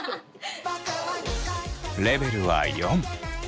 レベルは４。